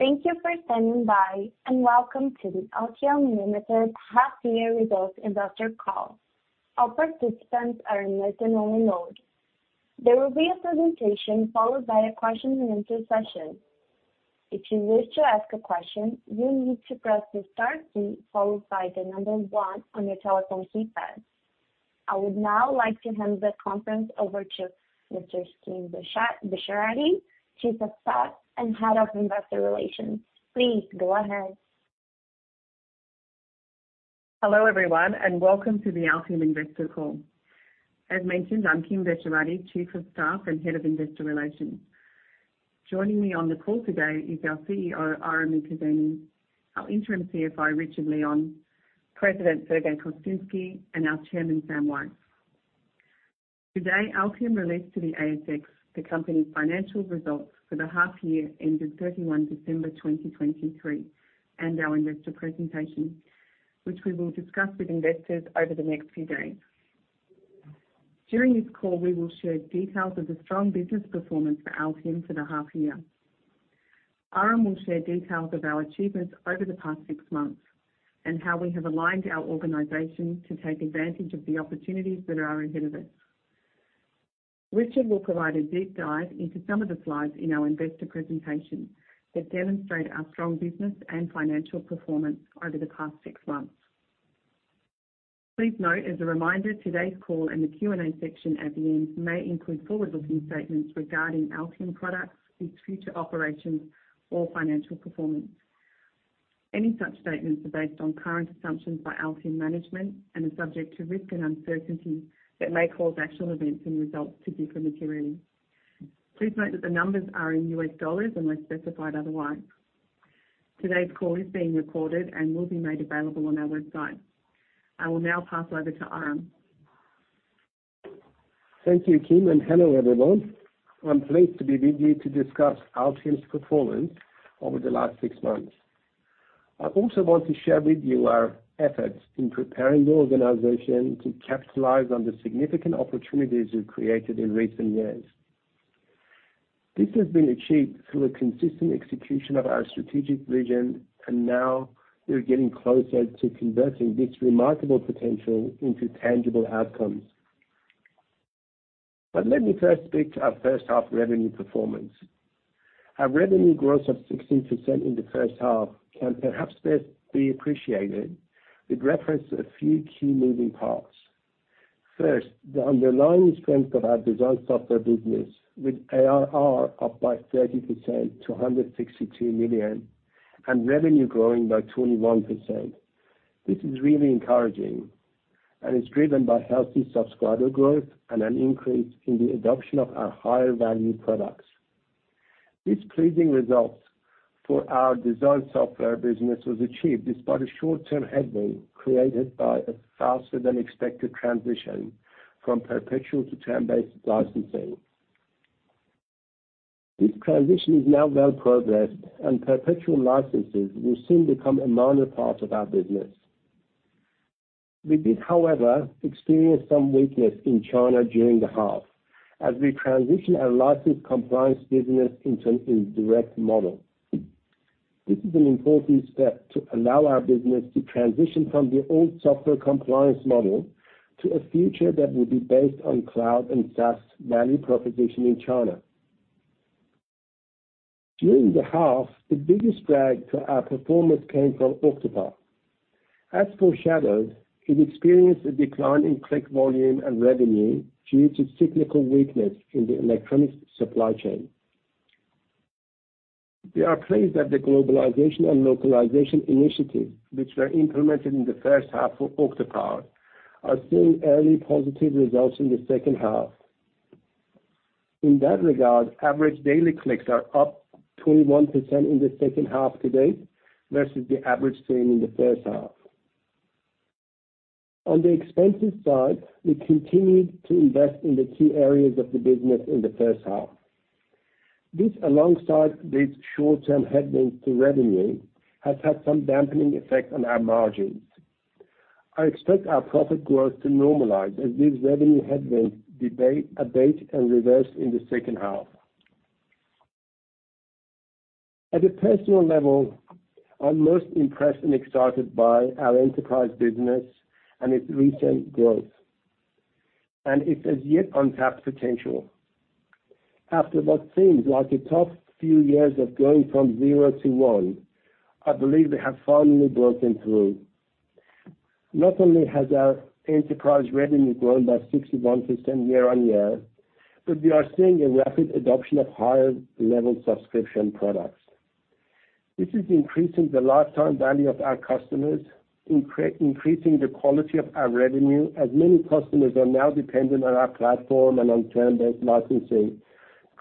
Thank you for standing by, and welcome to the Altium Limited Half Year Results Investor Call. All participants are in listen-only mode. There will be a presentation followed by a question-and-answer session. If you wish to ask a question, you need to press the star key followed by the number one on your telephone keypad. I would now like to hand the conference over to Kim Besharati, Chief of Staff and Head of Investor Relations. Please go ahead. Hello, everyone, and welcome to the Altium Investor Call. As mentioned, I'm Kim Besharati, Chief of Staff and Head of Investor Relations. Joining me on the call today is our CEO, Aram Mirkazemi, our Interim CFO, Richard Leon, President Sergey Kostinsky, and our Chairman, Sam Weiss. Today, Altium released to the ASX the company's financial results for the half year ended December 31, 2023, and our investor presentation, which we will discuss with investors over the next few days. During this call, we will share details of the strong business performance for Altium for the half year. Aram will share details of our achievements over the past six months, and how we have aligned our organization to take advantage of the opportunities that are ahead of us. Richard will provide a deep dive into some of the slides in our investor presentation that demonstrate our strong business and financial performance over the past six months. Please note, as a reminder, today's call and the Q&A section at the end may include forward-looking statements regarding Altium products, its future operations, or financial performance. Any such statements are based on current assumptions by Altium management and are subject to risk and uncertainty that may cause actual events and results to differ materially. Please note that the numbers are in US dollars unless specified otherwise. Today's call is being recorded and will be made available on our website. I will now pass over to Aram. Thank you, Kim, and hello, everyone. I'm pleased to be with you to discuss Altium's performance over the last six months. I also want to share with you our efforts in preparing the organization to capitalize on the significant opportunities we've created in recent years. This has been achieved through a consistent execution of our strategic vision, and now we're getting closer to converting this remarkable potential into tangible outcomes. But let me first speak to our first half revenue performance. Our revenue growth of 16% in the first half can perhaps best be appreciated with reference to a few key moving parts. First, the underlying strength of our design software business, with ARR up by 30% to $162 million, and revenue growing by 21%. This is really encouraging, and it's driven by healthy subscriber growth and an increase in the adoption of our higher-value products. These pleasing results for our design software business was achieved despite a short-term headwind created by a faster than expected transition from perpetual to term-based licensing. This transition is now well progressed, and perpetual licenses will soon become a minor part of our business. We did, however, experience some weakness in China during the half as we transition our license compliance business into an indirect model. This is an important step to allow our business to transition from the old software compliance model to a future that will be based on cloud and SaaS value proposition in China. During the half, the biggest drag to our performance came from Octopart. As foreshadowed, it experienced a decline in click volume and revenue due to cyclical weakness in the electronics supply chain. We are pleased that the globalization and localization initiatives, which were implemented in the first half for Octopart, are seeing early positive results in the second half. In that regard, average daily clicks are up 21% in the second half to date versus the average seen in the first half. On the expenses side, we continued to invest in the key areas of the business in the first half. This, alongside these short-term headwinds to revenue, has had some dampening effect on our margins. I expect our profit growth to normalize as these revenue headwinds abate and reverse in the second half. At a personal level, I'm most impressed and excited by our enterprise business and its recent growth, and its as-yet untapped potential. After what seems like a tough few years of going from zero to one, I believe we have finally broken through. Not only has our enterprise revenue grown by 61% year-on-year, but we are seeing a rapid adoption of higher-level subscription products. This is increasing the lifetime value of our customers, increasing the quality of our revenue, as many customers are now dependent on our platform and on term-based licensing,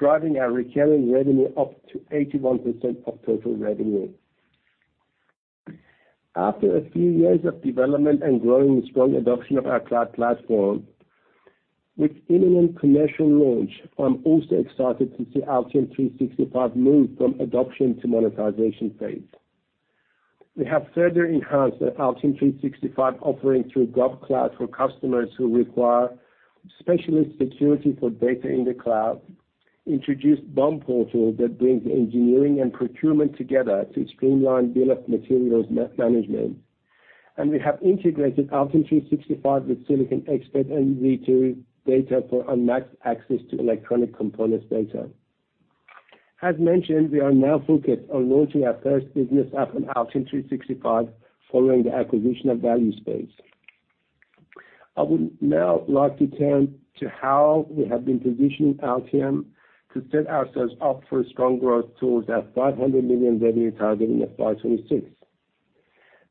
driving our recurring revenue up to 81% of total revenue. After a few years of development and growing strong adoption of our cloud platform, with imminent commercial launch, I'm also excited to see Altium 365 move from adoption to monetization phase. We have further enhanced the Altium 365 offering through GovCloud for customers who require specialist security for data in the cloud, introduced BOM Portal that brings engineering and procurement together to streamline bill of materials management, and we have integrated Altium 365 with SiliconExpert and Z2Data for unmatched access to electronic components data. As mentioned, we are now focused on launching our first business app on Altium 365 following the acquisition of Valispace. I would now like to turn to how we have been positioning Altium to set ourselves up for a strong growth towards our $500 million revenue target in FY 2026.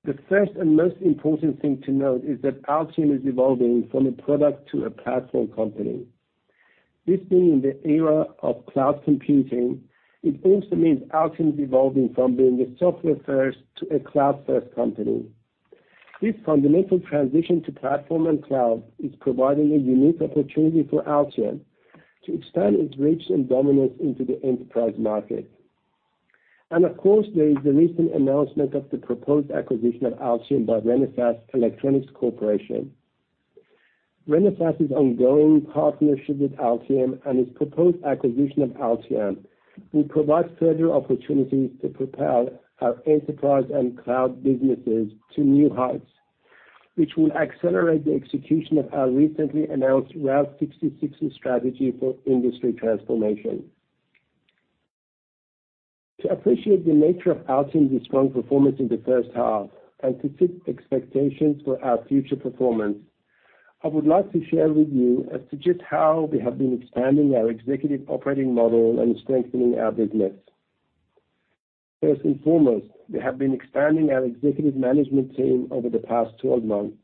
The first and most important thing to note is that Altium is evolving from a product to a platform company. This being in the era of cloud computing, it also means Altium is evolving from being a software-first to a cloud-first company. This fundamental transition to platform and cloud is providing a unique opportunity for Altium to expand its reach and dominance into the enterprise market. And of course, there is the recent announcement of the proposed acquisition of Altium by Renesas Electronics Corporation. Renesas' ongoing partnership with Altium and its proposed acquisition of Altium will provide further opportunities to propel our enterprise and cloud businesses to new heights, which will accelerate the execution of our recently announced Route 66 strategy for industry transformation. To appreciate the nature of Altium's strong performance in the first half and to set expectations for our future performance, I would like to share with you as to just how we have been expanding our executive operating model and strengthening our business. First and foremost, we have been expanding our executive management team over the past 12 months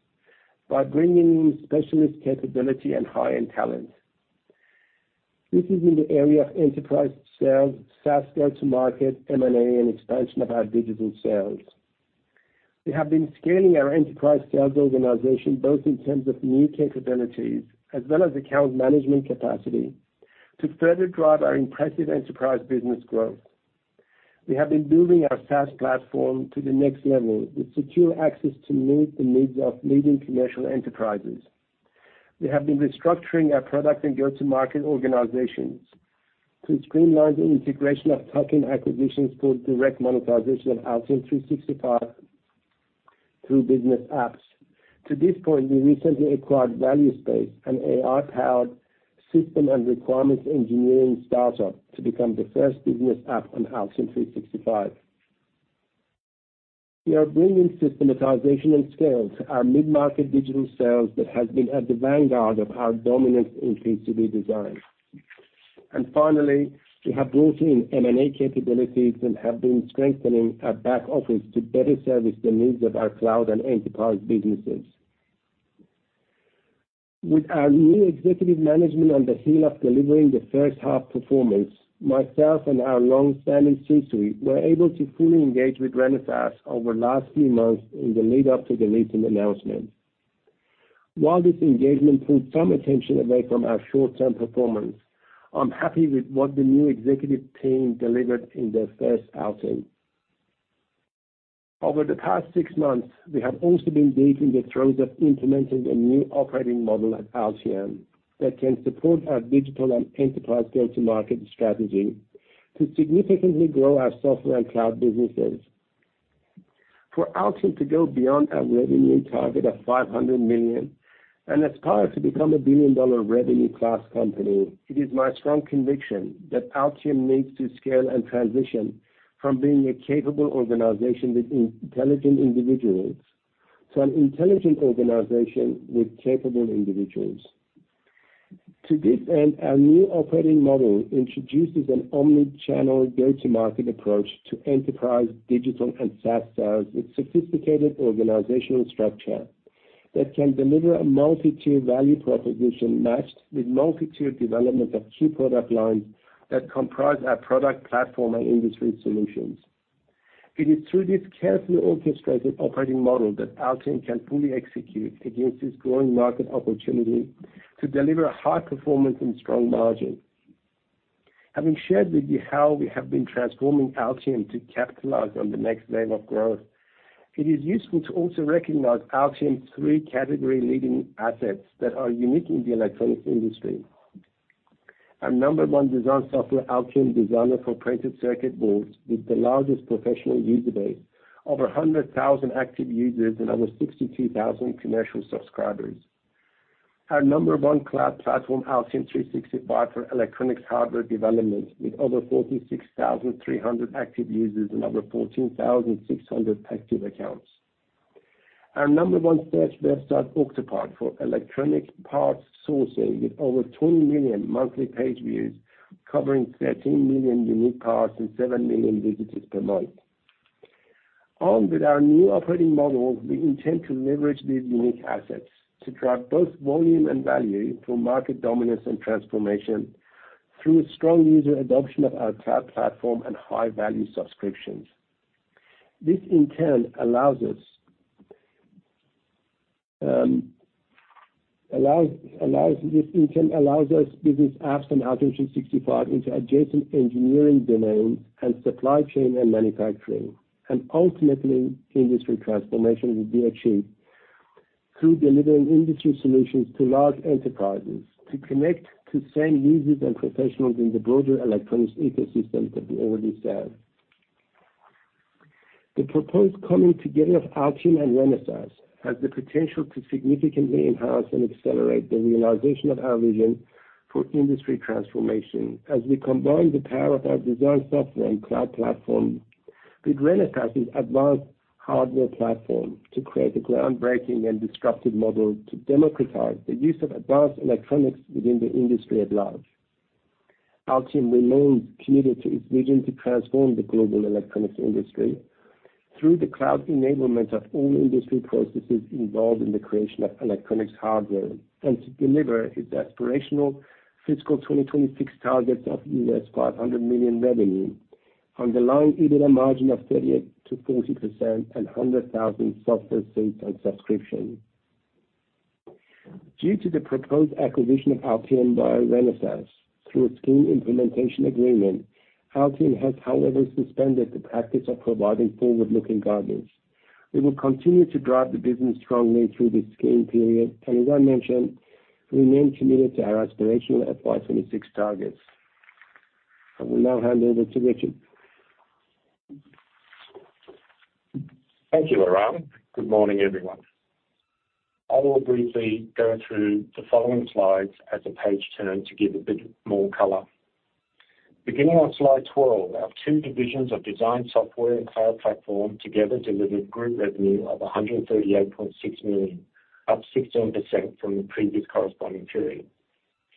by bringing in specialist capability and high-end talent. This is in the area of enterprise sales, SaaS go-to-market, M&A, and expansion of our digital sales. We have been scaling our enterprise sales organization, both in terms of new capabilities as well as account management capacity, to further drive our impressive enterprise business growth. We have been building our SaaS platform to the next level with secure access to meet the needs of leading commercial enterprises. We have been restructuring our product and go-to-market organizations to streamline the integration of tuck-in acquisitions for direct monetization of Altium 365 through business apps. To this point, we recently acquired Valispace, an AI-powered system and requirements engineering startup, to become the first business app on Altium 365. We are bringing systematization and scale to our mid-market digital sales that has been at the vanguard of our dominance in PCB design. And finally, we have brought in M&A capabilities and have been strengthening our back office to better service the needs of our cloud and enterprise businesses. With our new executive management on the heel of delivering the first half performance, myself and our long-standing C-suite were able to fully engage with Renesas over the last few months in the lead-up to the recent announcement. While this engagement pulled some attention away from our short-term performance, I'm happy with what the new executive team delivered in their first outing. Over the past six months, we have also been deep in the throes of implementing a new operating model at Altium that can support our digital and enterprise go-to-market strategy to significantly grow our software and cloud businesses. For Altium to go beyond our revenue target of $500 million and aspire to become a billion-dollar revenue class company, it is my strong conviction that Altium needs to scale and transition from being a capable organization with intelligent individuals, to an intelligent organization with capable individuals. To this end, our new operating model introduces an omni-channel go-to-market approach to enterprise, digital, and SaaS sales, with sophisticated organizational structure that can deliver a multi-tiered value proposition matched with multi-tiered development of key product lines that comprise our product platform and industry solutions. It is through this carefully orchestrated operating model that Altium can fully execute against this growing market opportunity to deliver a high performance and strong margin. Having shared with you how we have been transforming Altium to capitalize on the next wave of growth, it is useful to also recognize Altium's three category-leading assets that are unique in the electronics industry. Our number one design software, Altium Designer, for printed circuit boards, with the largest professional user base, over 100,000 active users and over 62,000 commercial subscribers. Our number one cloud platform, Altium 365, for electronics hardware development, with over 46,300 active users and over 14,600 active accounts. Our number one search website, Octopart, for electronic parts sourcing, with over 20 million monthly page views, covering 13 million unique parts and 7 million visitors per month. Armed with our new operating model, we intend to leverage these unique assets to drive both volume and value through market dominance and transformation through a strong user adoption of our cloud platform and high-value subscriptions. This, in turn, allows us this intent allows us business apps and Altium 365 into adjacent engineering domain and supply chain and manufacturing. And ultimately, industry transformation will be achieved through delivering industry solutions to large enterprises to connect to same users and professionals in the broader electronics ecosystem that we already serve. The proposed coming together of Altium and Renesas has the potential to significantly enhance and accelerate the realization of our vision for industry transformation, as we combine the power of our design software and cloud platform with Renesas's advanced hardware platform to create a groundbreaking and disruptive model to democratize the use of advanced electronics within the industry at large. Altium remains committed to its vision to transform the global electronics industry through the cloud enablement of all industry processes involved in the creation of electronics hardware, and to deliver its aspirational fiscal 2026 targets of $500 million revenue, underlying EBITDA margin of 38% to 40%, and 100,000 software seats on subscription. Due to the proposed acquisition of Altium by Renesas through a scheme implementation agreement, Altium has, however, suspended the practice of providing forward-looking guidance. We will continue to drive the business strongly through this scheme period, and as I mentioned, we remain committed to our aspirational FY 2026 targets. I will now hand over to Richard. Thank you, Aram. Good morning, everyone. I will briefly go through the following slides as a page turn to give a bit more color. Beginning on slide 12, our two divisions of design, software, and cloud platform together delivered group revenue of $138.6 million, up 16% from the previous corresponding period.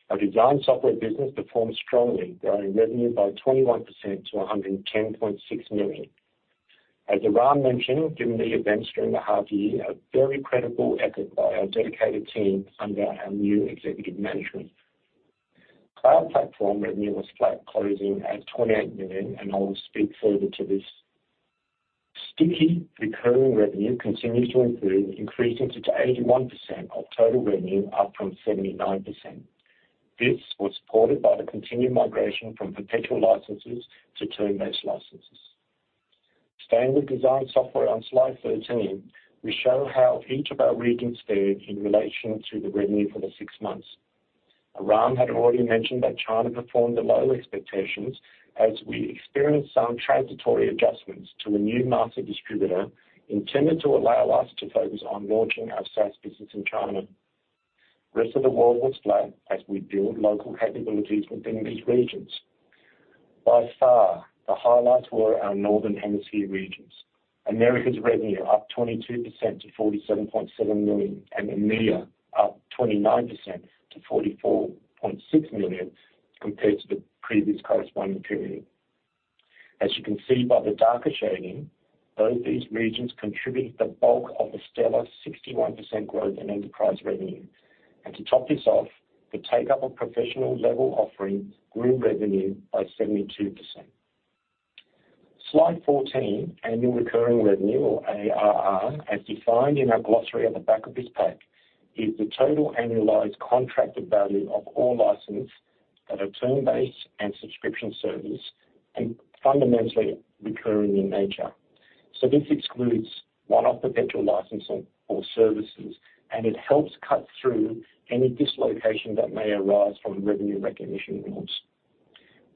Our design software business performed strongly, growing revenue by 21% to $110.6 million. As Aram mentioned, given the events during the half year, a very credible effort by our dedicated team under our new executive management. Cloud platform revenue was flat, closing at $28 million, and I will speak further to this. Sticky recurring revenue continues to improve, increasing to 81% of total revenue, up from 79%. This was supported by the continued migration from perpetual licenses to term-based licenses. Staying with design software on slide 13, we show how each of our regions fared in relation to the revenue for the six months. Aram had already mentioned that China performed below expectations, as we experienced some transitory adjustments to a new master distributor intended to allow us to focus on launching our SaaS business in China. Rest of the world was flat as we build local capabilities within these regions. By far, the highlights were our northern hemisphere regions. Americas' revenue up 22% to $47.7 million, and EMEA up 29% to $44.6 million, compared to the previous corresponding period. As you can see by the darker shading, both these regions contributed the bulk of the stellar 61% growth in enterprise revenue. And to top this off, the take-up of professional level offerings grew revenue by 72%. Slide 14, annual recurring revenue, or ARR, as defined in our glossary at the back of this pack, is the total annualized contracted value of all license that are term-based and subscription service, and fundamentally recurring in nature. So this excludes one-off perpetual licensing or services, and it helps cut through any dislocation that may arise from revenue recognition rules.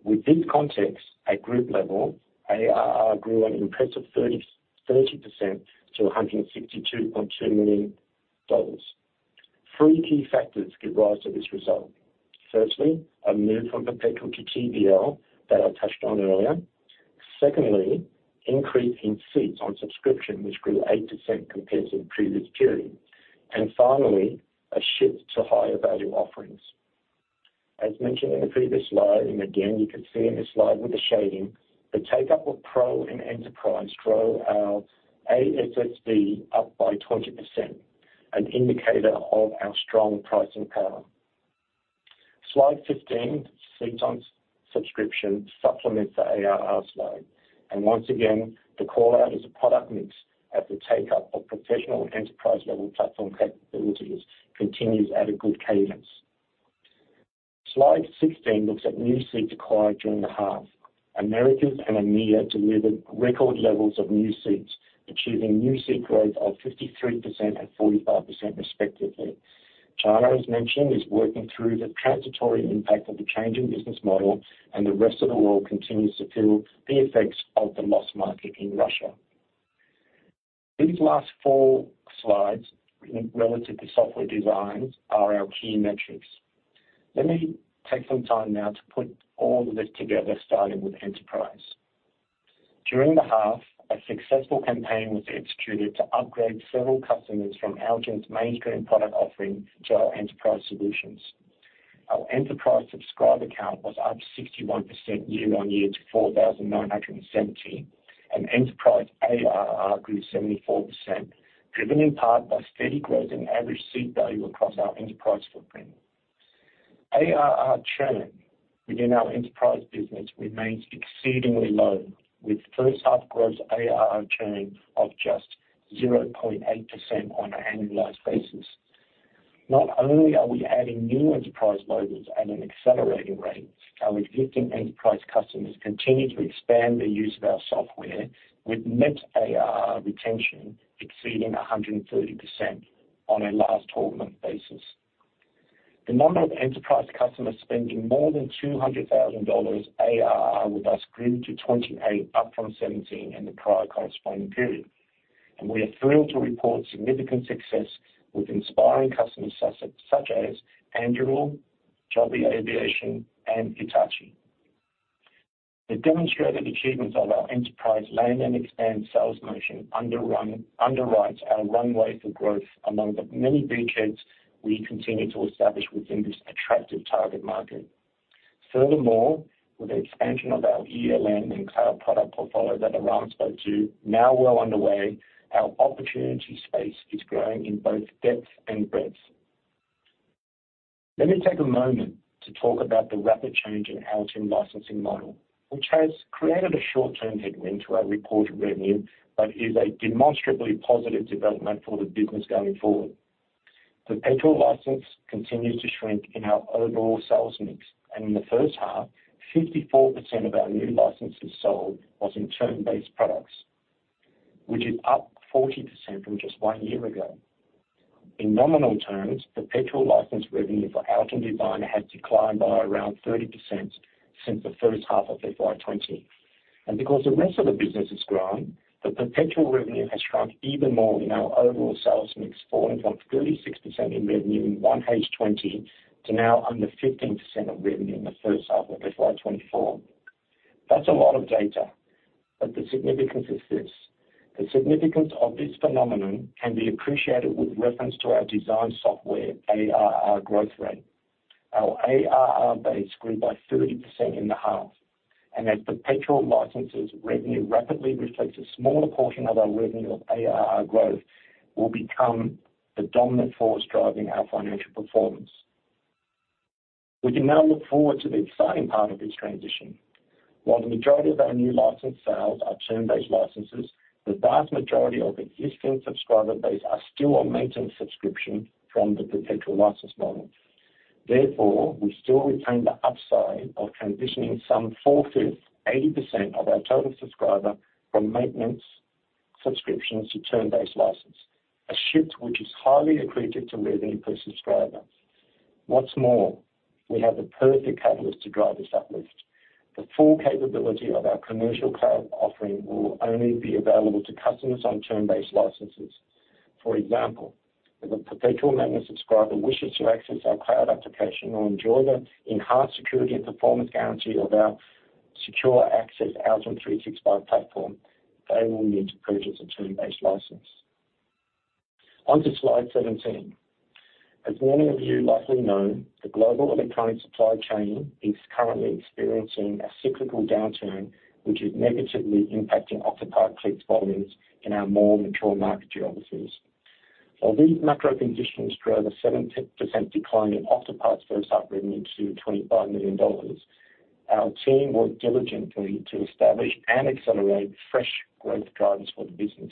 Within context, at group level, ARR grew an impressive 33% to $162.2 million. Three key factors give rise to this result. Firstly, a move from perpetual to TBL that I touched on earlier. Secondly, increase in seats on subscription, which grew 8% compared to the previous period. And finally, a shift to higher value offerings. As mentioned in the previous slide, and again, you can see in this slide with the shading, the take up of Pro and Enterprise drove our ASSV up by 20%, an indicator of our strong pricing power. Slide 15, seats on subscription supplements the ARR slide. And once again, the call-out is a product mix, as the take-up of professional enterprise-level platform capabilities continues at a good cadence. Slide 16 looks at new seats acquired during the half. Americas and EMEA delivered record levels of new seats, achieving new seat growth of 53% and 45% respectively. China, as mentioned, is working through the transitory impact of the changing business model, and the rest of the world continues to feel the effects of the lost market in Russia. These last four slides relative to software design are our key metrics. Let me take some time now to put all of this together, starting with enterprise. During the half, a successful campaign was executed to upgrade several customers from Altium's mainstream product offering to our enterprise solutions. Our enterprise subscriber count was up 61% year-on-year to 4,917, and enterprise ARR grew 74%, driven in part by steady growth in average seat value across our enterprise footprint. ARR churn within our enterprise business remains exceedingly low, with first half gross ARR churn of just 0.8% on an annualized basis. Not only are we adding new enterprise logos at an accelerating rate, our existing enterprise customers continue to expand the use of our software, with net ARR retention exceeding 130% on a last twelve-month basis. The number of enterprise customers spending more than $200,000 ARR with us grew to 28, up from 17 in the prior corresponding period, and we are thrilled to report significant success with inspiring customers such as Anduril, Joby Aviation, and Hitachi. The demonstrated achievements of our enterprise land and expand sales motion underwrites our runway for growth among the many beachheads we continue to establish within this attractive target market. Furthermore, with the expansion of our ELM and cloud product portfolio that Aram spoke to now well underway, our opportunity space is growing in both depth and breadth. Let me take a moment to talk about the rapid change in our team licensing model, which has created a short-term headwind to our reported revenue, but is a demonstrably positive development for the business going forward. The perpetual license continues to shrink in our overall sales mix, and in the first half, 54% of our new licenses sold was in term-based products, which is up 40% from just one year ago. In nominal terms, perpetual license revenue for Altium Designer has declined by around 30% since the first half of FY 2020. And because the rest of the business has grown, the perpetual revenue has shrunk even more in our overall sales mix, falling from 36% of revenue in first half of 2020 to now under 15% of revenue in the first half of FY 2024. That's a lot of data, but the significance is this: the significance of this phenomenon can be appreciated with reference to our design software, ARR growth rate. Our ARR base grew by 30% in the half, and as perpetual licenses revenue rapidly reflects a smaller portion of our revenue of ARR growth will become the dominant force driving our financial performance. We can now look forward to the exciting part of this transition. While the majority of our new license sales are term-based licenses, the vast majority of existing subscriber base are still on maintenance subscription from the perpetual license model. Therefore, we still retain the upside of transitioning some four-fifths, 80% of our total subscriber from maintenance subscriptions to term-based license, a shift which is highly accretive to revenue per subscriber. What's more, we have the perfect catalyst to drive this uplift. The full capability of our commercial cloud offering will only be available to customers on term-based licenses. For example, if a perpetual maintenance subscriber wishes to access our cloud application or enjoy the enhanced security and performance guarantee of our secure access Altium 365 platform, they will need to purchase a term-based license. Onto slide 17, as many of you likely know, the global electronic supply chain is currently experiencing a cyclical downturn, which is negatively impacting Octopart clicks volumes in our more mature market geographies. While these macro conditions drove a 7% decline in Octopart's first half revenue to $25 million, our team worked diligently to establish and accelerate fresh growth drivers for the business.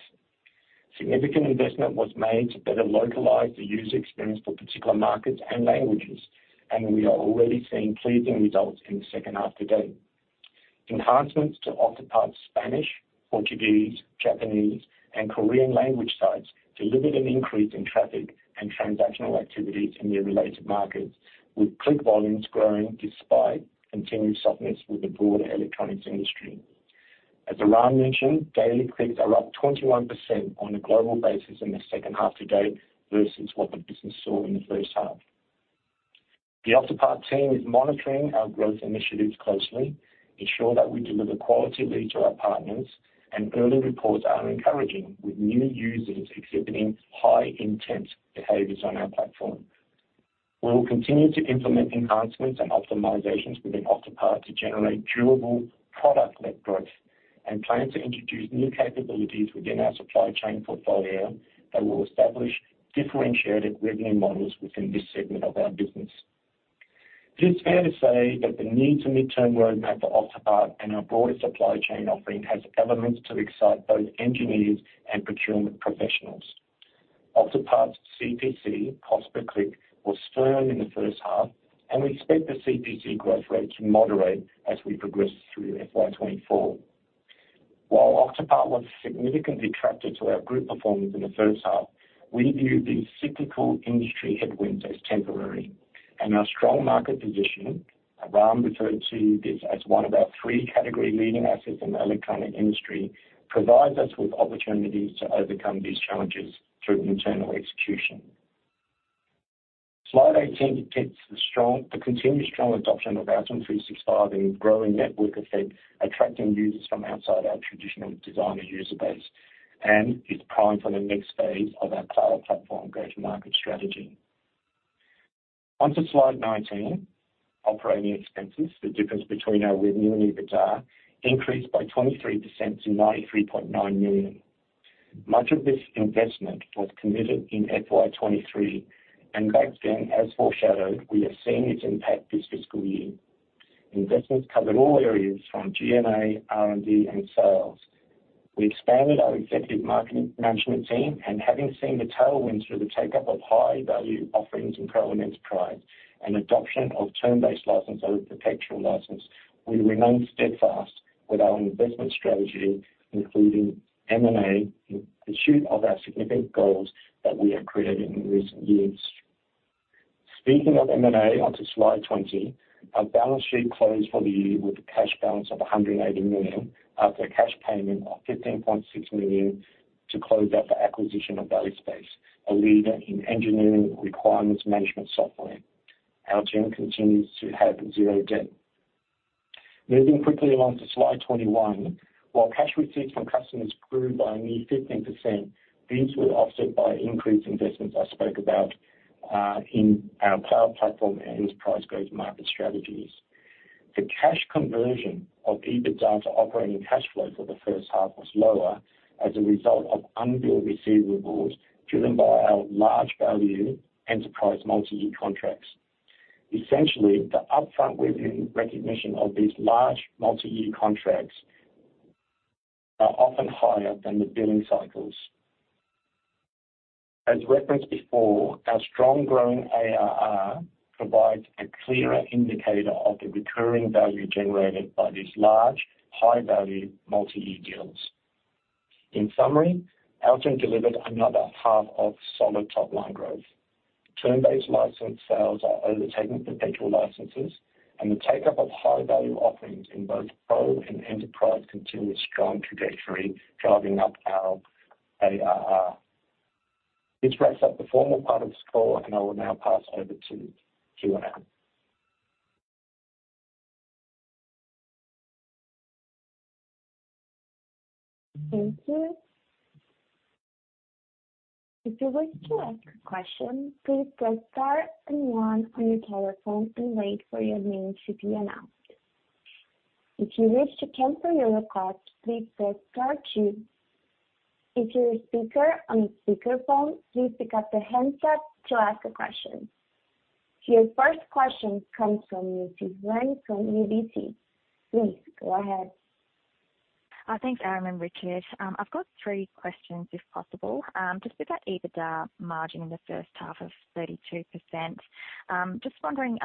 Significant investment was made to better localize the user experience for particular markets and languages, and we are already seeing pleasing results in the second half to date. Enhancements to Octopart's Spanish, Portuguese, Japanese, and Korean language sites delivered an increase in traffic and transactional activity in their related markets, with click volumes growing despite continued softness with the broader electronics industry. As Aram mentioned, daily clicks are up 21% on a global basis in the second half to date versus what the business saw in the first half. The Octopart team is monitoring our growth initiatives closely, ensure that we deliver quality leads to our partners, and early reports are encouraging, with new users exhibiting high intent behaviors on our platform. We will continue to implement enhancements and optimizations within Octopart to generate durable product-led growth, and plan to introduce new capabilities within our supply chain portfolio that will establish differentiated revenue models within this segment of our business. It is fair to say that the near to midterm roadmap for Octopart and our broader supply chain offering has elements to excite both engineers and procurement professionals. Octopart's CPC, cost per click, was firm in the first half, and we expect the CPC growth rate to moderate as we progress through FY 2024. While Octopart was significantly attractive to our group performance in the first half, we view these cyclical industry headwinds as temporary, and our strong market position, Aram referred to this as one of our three category-leading assets in the electronic industry, provides us with opportunities to overcome these challenges through internal execution. Slide 18 depicts the continued strong adoption of Altium 365 and growing network effect, attracting users from outside our traditional designer user base, and is primed for the next phase of our cloud platform go-to-market strategy. Onto slide 19, operating expenses. The difference between our revenue and EBITDA increased by 23% to $93.9 million. Much of this investment was committed in FY 2023, and back then, as foreshadowed, we are seeing its impact this fiscal year. Investments covered all areas from G&A, R&D, and sales. We expanded our executive marketing management team, and having seen the tailwinds through the take up of high-value offerings in Pro and Enterprise and adoption of term-based license over perpetual license, we remain steadfast with our investment strategy, including M&A, in pursuit of our significant goals that we have created in recent years. Speaking of M&A, onto slide 20, our balance sheet closed for the year with a cash balance of $180 million, after a cash payment of $15.6 million to close out the acquisition of Valispace, a leader in engineering requirements management software. Altium continues to have zero debt. Moving quickly along to slide 21. While cash receipts from customers grew by nearly 15%, these were offset by increased investments I spoke about in our cloud platform and enterprise growth market strategies. The cash conversion of EBITDA to operating cash flow for the first half was lower as a result of unbilled receivables, driven by our large value enterprise multi-year contracts. Essentially, the upfront revenue recognition of these large multi-year contracts are often higher than the billing cycles. As referenced before, our strong growing ARR provides a clearer indicator of the recurring value generated by these large, high-value multi-year deals. In summary, Altium delivered another half of solid top-line growth. Term-based license sales are overtaking perpetual licenses, and the take up of high-value offerings in both Pro and Enterprise continue a strong trajectory, driving up our ARR. This wraps up the formal part of this call, and I will now pass over to Q&A. Thank you. If you wish to ask a question, please press star and one on your telephone and wait for your name to be announced. If you wish to cancel your request, please press star two. If you're a speaker on speakerphone, please pick up the handset to ask a question. So your first question comes from [26:51-26:55] from UBS. Please go ahead. Thanks, Aram and Richard. I've got three questions, if possible. Just with that EBITDA margin in the first half of 32%, just wondering,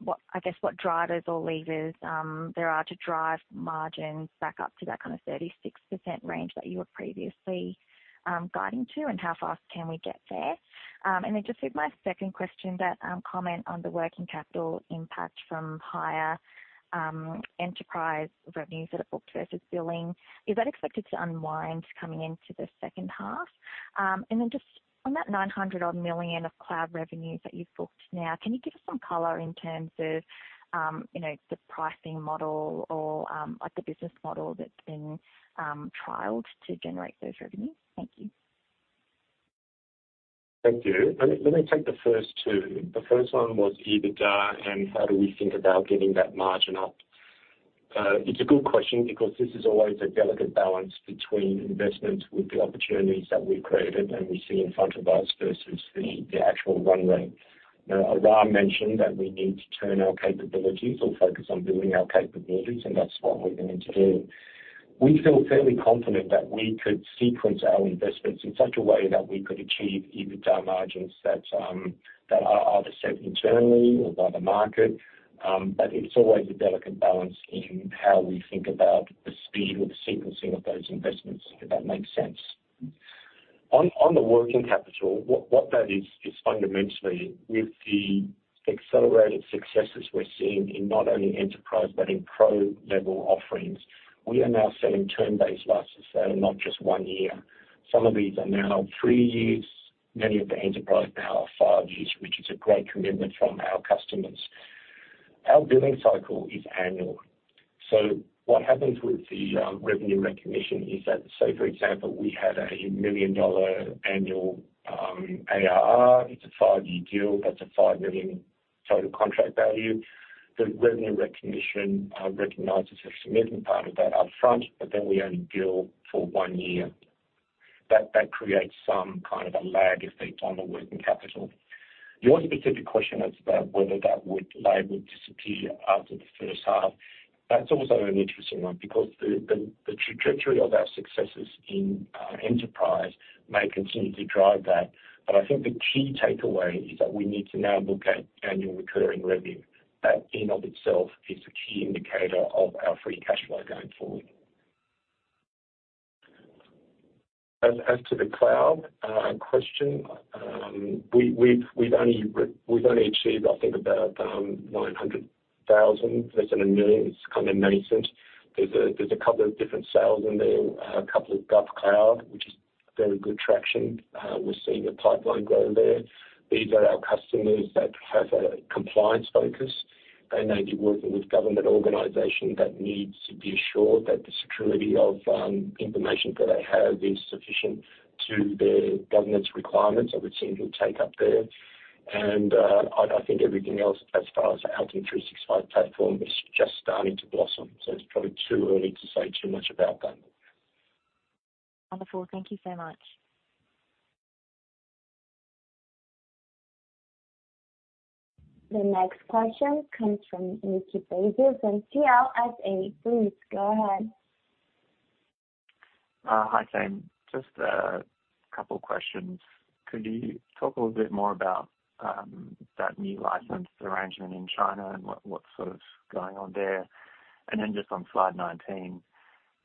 what... I guess, what drivers or levers there are to drive margins back up to that kind of 36% range that you were previously guiding to, and how fast can we get there? And then just with my second question, that comment on the working capital impact from higher enterprise revenues that are booked versus billing, is that expected to unwind coming into the second half? And then just on that $900-odd million of cloud revenues that you've booked now, can you give us some color in terms of, you know, the pricing model or the business model that's been trialed to generate those revenues? Thank you. Thank you. Let me take the first. The first one was EBITDA, and how do we think about getting that margin up? It's a good question because this is always a delicate balance between investments with the opportunities that we've created and we see in front of us versus the, the actual run rate. Now, Aram mentioned that we need to turn our capabilities or focus on building our capabilities, and that's what we're going to do. We feel fairly confident that we could sequence our investments in such a way that we could achieve EBITDA margins that, that are, are set internally or by the market. But it's always a delicate balance in how we think about the speed or the sequencing of those investments, if that makes sense. On the working capital, what that is, is fundamentally with the accelerated successes we're seeing in not only enterprise but in pro level offerings, we are now selling term-based licenses that are not just one year. Some of these are now 3 years. Many of the enterprise now are 5 years, which is a great commitment from our customers. Our billing cycle is annual, so what happens with the revenue recognition is that, say, for example, we had a $1 million annual ARR. It's a 5-year deal. That's a $5 million total contract value. The revenue recognition recognizes a significant part of that up front, but then we only bill for one year. That creates some kind of a lag effect on the working capital. Your specific question is about whether that lag would disappear after the first half. That's also an interesting one, because the trajectory of our successes in enterprise may continue to drive that. But I think the key takeaway is that we need to now look at annual recurring revenue. That in and of itself is a key indicator of our free cash flow going forward. As to the cloud question, we've only achieved, I think about $900,000, less than $1 million. It's kind of nascent. There's a couple of different sales in there, a couple of GovCloud, which is very good traction. We're seeing the pipeline grow there. These are our customers that have a compliance focus. They may be working with government organization that needs to be assured that the security of information that they have is sufficient to the governance requirements of the team who take up there. And, I think everything else as far as the Altium 365 platform is just starting to blossom, so it's probably too early to say too much about that. Wonderful. Thank you so much. The next question comes from Nick Basile from CLSA. Please go ahead. Hi, thanks. Just a couple of questions. Could you talk a little bit more about that new license arrangement in China and what's sort of going on there? And then just on slide 19,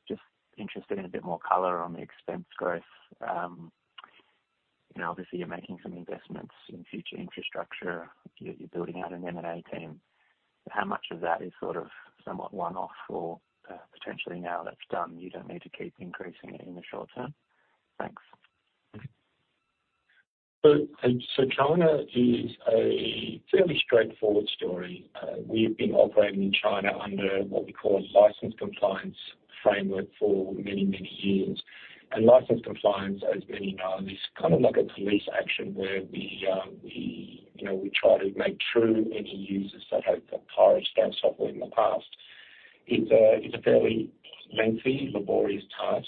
just interested in a bit more color on the expense growth. You know, obviously you're making some investments in future infrastructure. You're building out an M&A team. How much of that is sort of somewhat one-off or potentially now that's done, you don't need to keep increasing it in the short term? Thanks. So China is a fairly straightforward story. We've been operating in China under what we call a license compliance framework for many, many years. And license compliance, as many know, is kind of like a police action, where we try to make true any users that have acquired stale software in the past. It's a fairly lengthy, laborious task,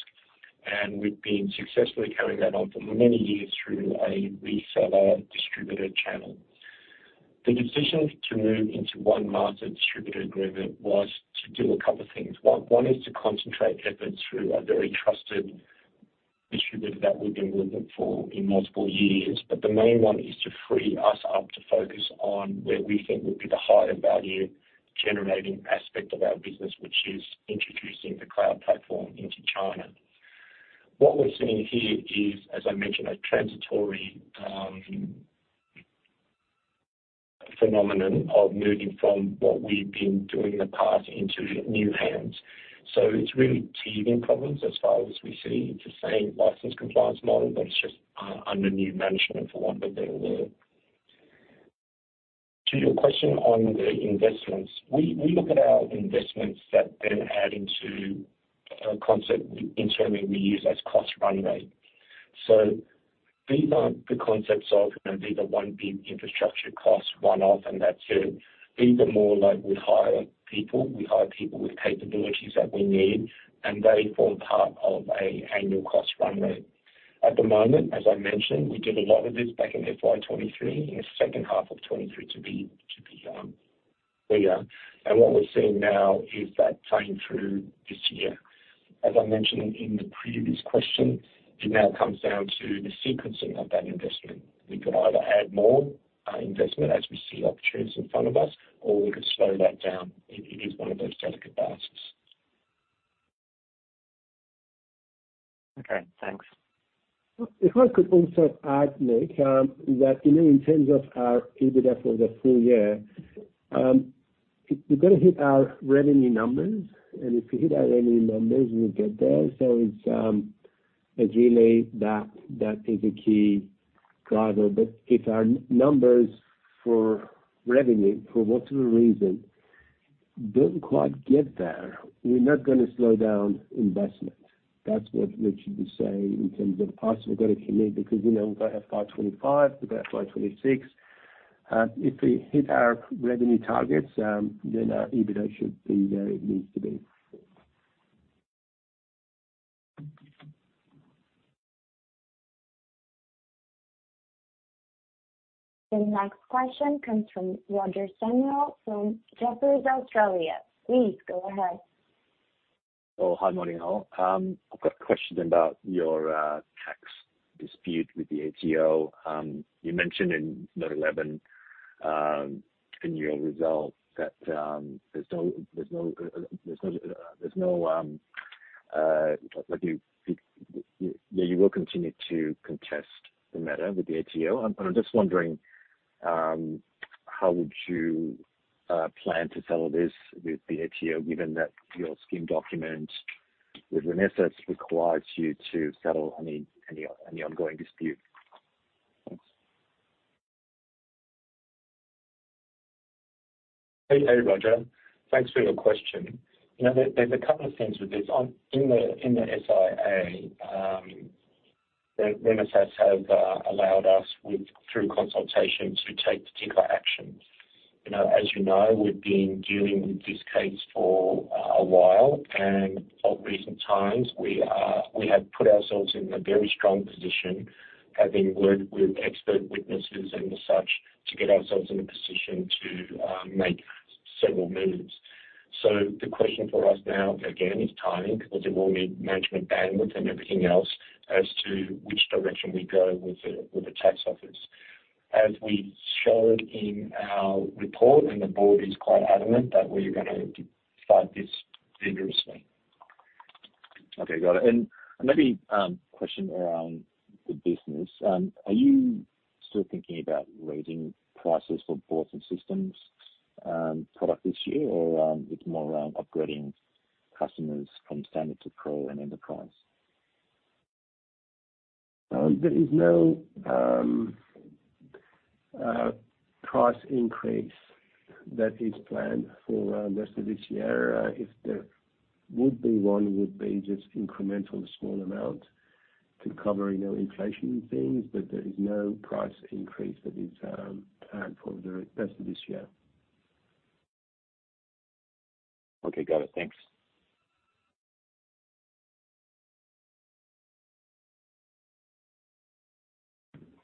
and we've been successfully carrying that on for many years through a reseller distributor channel. The decision to move into one master distributor agreement was to do a couple of things. One is to concentrate efforts through a very trusted distributor that we've been with them for in multiple years. But the main one is to free us up to focus on where we think would be the higher value-generating aspect of our business, which is introducing the cloud platform into China. What we're seeing here is, as I mentioned, a transitory phenomenon of moving from what we've been doing in the past into new hands. So it's really teething problems as far as we see. It's the same license compliance model, but it's just under new management, for want of a better word. To your question on the investments, we look at our investments that then add into a concept internally we use as cost runway. So these aren't the concepts of, you know, these are one big infrastructure cost, one-off, and that's it. These are more like we hire people, we hire people with capabilities that we need, and they form part of an annual cost runway. At the moment, as I mentioned, we did a lot of this back in FY 2023, in the second half of 2023 to be clear. What we're seeing now is that playing through this year. As I mentioned in the previous question, it now comes down to the sequencing of that investment. We could either add more investment as we see opportunities in front of us, or we could slow that down. It is one of those delicate balances. Okay, thanks. If I could also add, Nick, that, you know, in terms of our EBITDA for the full year, if we're gonna hit our revenue numbers, we'll get there. So it's really that is a key driver. But if our numbers for revenue, for whatever reason, don't quite get there, we're not gonna slow down investment. That's what we should be saying in terms of what we're gonna commit, because, you know, we've got FY 25, we've got FY 26. If we hit our revenue targets, then our EBITDA should be where it needs to be. The next question comes from Roger Samuel from Jefferies Australia. Please go ahead. Oh, hi, morning all. I've got a question about your tax dispute with the ATO. You mentioned in note 11 in your results that you will continue to contest the matter with the ATO. I'm just wondering how would you plan to settle this with the ATO, given that your scheme document with Renesas requires you to settle any ongoing dispute? Thanks. Hey, hey, Roger. Thanks for your question. You know, there, there's a couple of things with this. In the SIA, the Renesas have allowed us with, through consultation, to take particular action. As you know, we've been dealing with this case for a while, and of recent times, we have put ourselves in a very strong position, having worked with expert witnesses and the such, to get ourselves in a position to make several moves. So the question for us now, again, is timing, because it will need management bandwidth and everything else as to which direction we go with the, with the tax office. As we showed in our report, and the board is quite adamant that we're going to fight this vigorously. Okay, got it. And maybe, question around the business. Are you still thinking about raising prices for boards and systems, product this year? Or, it's more around upgrading customers from standard to pro and enterprise? There is no price increase that is planned for, rest of this year. If there would be one, would be just incremental small amount to cover, you know, inflation and things, but there is no price increase that is, planned for the rest of this year. Okay, got it. Thanks.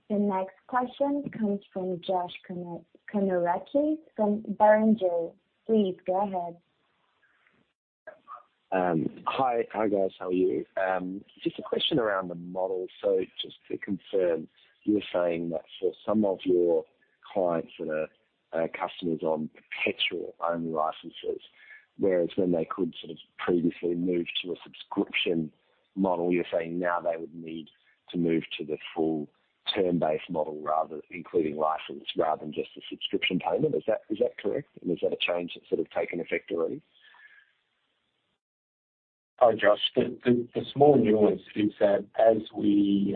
The next question comes from [36:48-36:53]. Please go ahead. Hi, guys, how are you? Just a question around the model. So just to confirm, you were saying that for some of your clients that are customers on perpetual only licenses, whereas when they could sort of previously move to a subscription model, you're saying now they would need to move to the full term-based model rather including license, rather than just the subscription payment. Is that correct? And is that a change that's sort of taken effect already? Hi, Josh. The small nuance is that as we,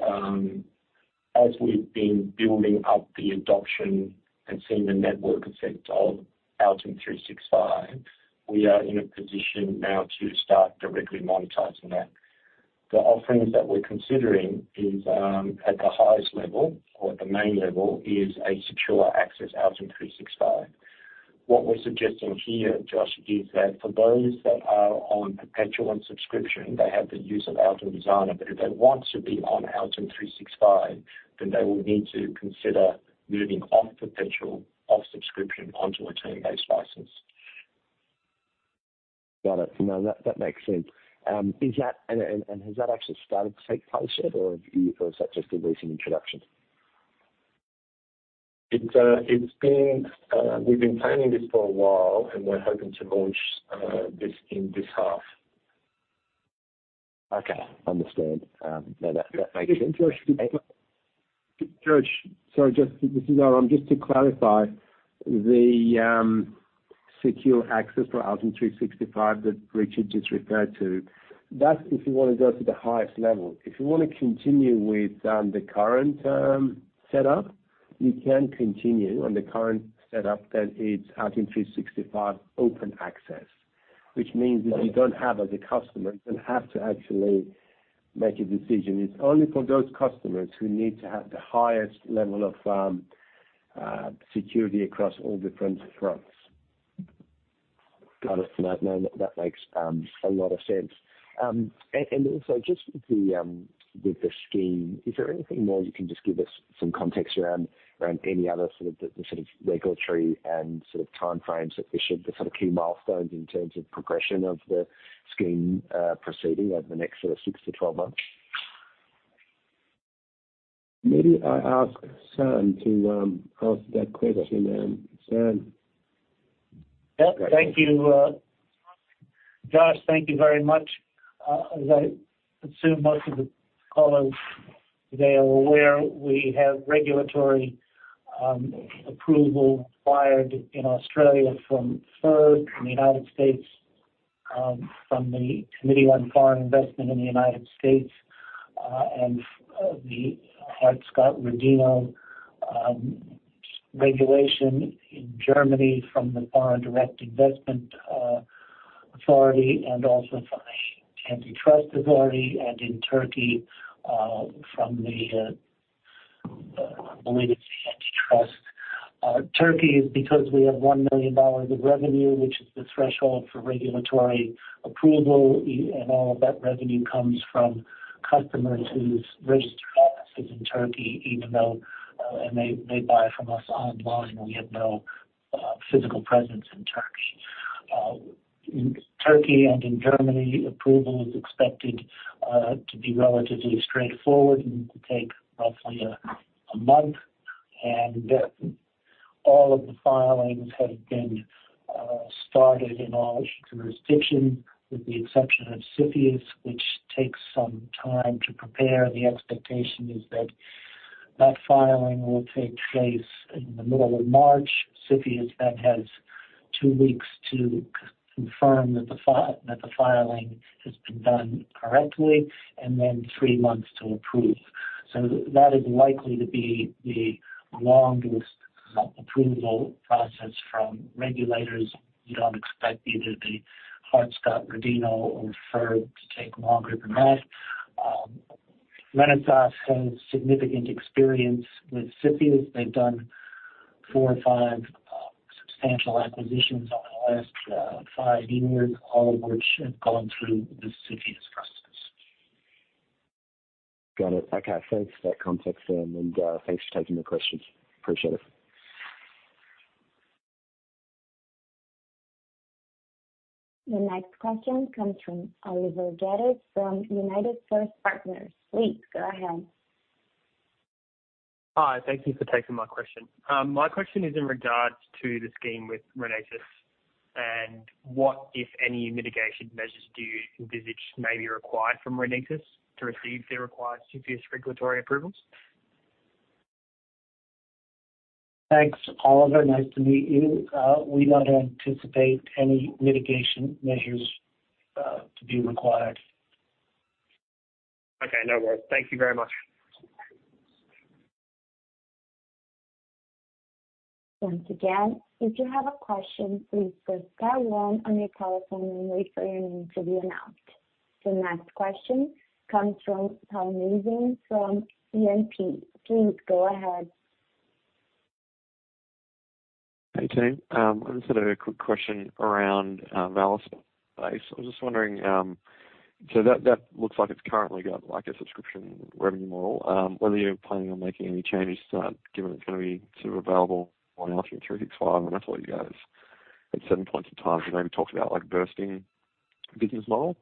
as we've been building up the adoption and seeing the network effect of Altium 365, we are in a position now to start directly monetizing that. The offerings that we're considering is, at the highest level, or at the main level, is a secure access Altium 365. What we're suggesting here, Josh, is that for those that are on perpetual and subscription, they have the use of Altium Designer. But if they want to be on Altium 365, then they will need to consider moving off perpetual, off subscription onto a term-based license. Got it. No, that makes sense. Is that and has that actually started to take place yet, or is that just a recent introduction? We've been planning this for a while, and we're hoping to launch this in this half. Okay. Understand. No, that makes sense. Josh. Sorry, just this is Aram. Just to clarify, the secure access for Altium 365 that Richard just referred to, that's if you want to go to the highest level. If you want to continue with the current setup, you can continue on the current setup, that is Altium 365 open access. Which means that you don't have as a customer, you don't have to actually make a decision. It's only for those customers who need to have the highest level of security across all different fronts. Got it. No, that makes a lot of sense. And also just with the scheme, is there anything more you can just give us some context around any other sort of regulatory and sort of timeframes that we should, the sort of key milestones in terms of progression of the scheme proceeding over the next sort of six to 12 months? Maybe I ask Sam to answer that question. Sam? Yeah. Thank you, Josh. Thank you very much. As I assume most of the callers today are aware, we have regulatory approval required in Australia from FIRB, in the United States from the Committee on Foreign Investment in the United States, and the Hart-Scott-Rodino regulation in Germany from the Foreign Direct Investment Authority and also from the Antitrust Authority and in Turkey, I believe it's the Antitrust. Turkey is because we have $1 million of revenue, which is the threshold for regulatory approval, and all of that revenue comes from customers whose registered office is in Turkey, even though, and they buy from us online, and we have no physical presence in Turkey. In Turkey and in Germany, approval is expected to be relatively straightforward and to take roughly a month, and all of the filings have been started in all jurisdictions, with the exception of CFIUS, which takes some time to prepare. The expectation is that that filing will take place in the middle of March. CFIUS then has two weeks to confirm that the filing has been done correctly, and then three months to approve. So that is likely to be the longest approval process from regulators. We don't expect either the Hart-Scott-Rodino or FIRB to take longer than that. Renesas has significant experience with CFIUS. They've done four or five substantial acquisitions over the last five years, all of which have gone through the CFIUS process. Got it. Okay, thanks for that context, Sam, and thanks for taking the questions. Appreciate it. The next question comes from Oliver Geddes from United First Partners. Please go ahead. Hi, thank you for taking my question. My question is in regards to the scheme with Renesas, and what, if any, mitigation measures do you envisage may be required from Renesas to receive the required CFIUS regulatory approvals? Thanks, Oliver. Nice to meet you. We don't anticipate any mitigation measures to be required. Okay, no worries. Thank you very much. Once again, if you have a question, please press star one on your telephone and wait for your name to be announced. The next question comes from [42:42-42:46] from BNP. Please go ahead. Hey, team. I just had a quick question around Valispace. I was just wondering, so that looks like it's currently got, like, a subscription revenue model, whether you're planning on making any changes to that, given it's gonna be sort of available on Altium 365? I know I saw you guys at certain points in time, you maybe talked about, like, bursting business model.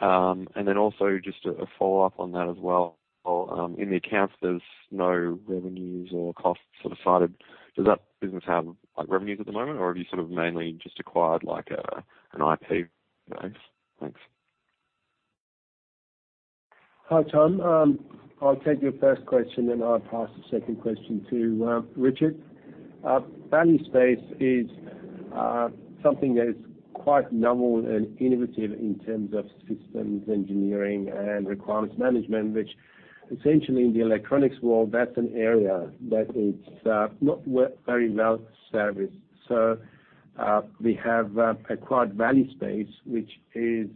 And then also just a follow-up on that as well. In the accounts, there's no revenues or costs sort of cited. Does that business have, like, revenues at the moment, or have you sort of mainly just acquired like an IP base? Thanks. Hi, Tom. I'll take your first question, then I'll pass the second question to Richard. Valispace is something that is quite novel and innovative in terms of systems engineering and requirements management, which essentially, in the electronics world, that's an area that it's not very well serviced. So, we have acquired Valispace, which is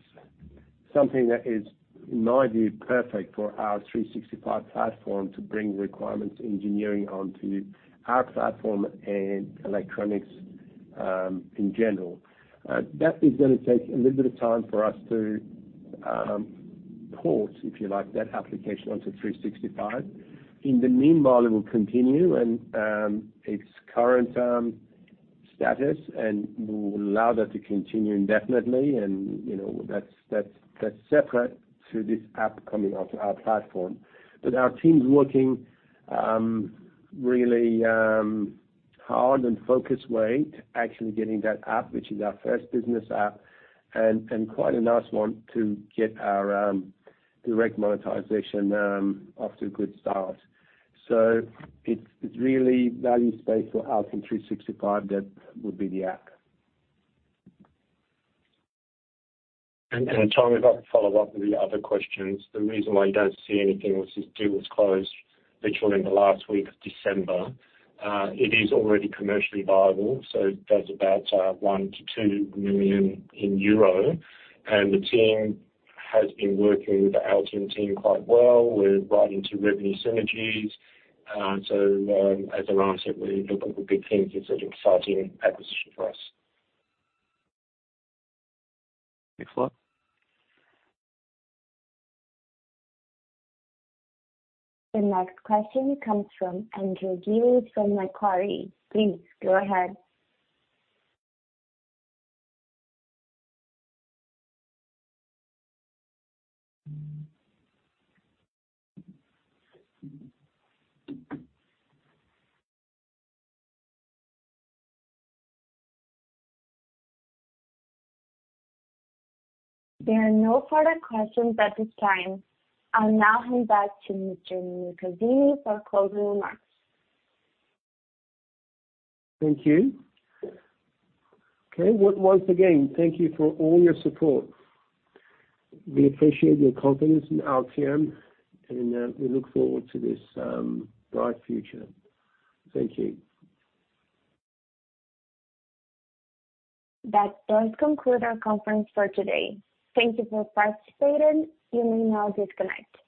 something that is, in my view, perfect for our 365 platform to bring requirements engineering onto our platform and electronics in general. That is gonna take a little bit of time for us to port, if you like, that application onto 365. In the meanwhile, it will continue in its current status, and will allow that to continue indefinitely. And, you know, that's separate to this app coming onto our platform. But our team's working really hard and focused way to actually getting that app, which is our first business app, and quite a nice one to get our direct monetization off to a good start. So it's really Valispace for Altium 365, that would be the app. Tom, if I could follow up with the other questions. The reason why you don't see anything was this deal was closed literally in the last week of December. It is already commercially viable, so does about 1 million-2 million euro. The team has been working with the Altium team quite well. We're right into revenue synergies. So, as Aram said, we look at the big team for such an exciting acquisition for us. Thanks a lot. The next question comes from Andrew Gill from Macquarie. Please go ahead. There are no further questions at this time. I'll now hand back to Mirkazemi for closing remarks. Thank you. Okay, once again, thank you for all your support. We appreciate your confidence in Altium, and we look forward to this bright future. Thank you. That does conclude our conference for today. Thank you for participating. You may now disconnect.